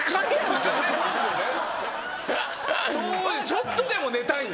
ちょっとでも寝たい。